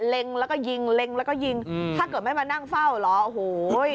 เล็งแล้วก็ยิงเล็งแล้วก็ยิงถ้าเกิดไม่มานั่งเฝ้าเหรอโอ้โห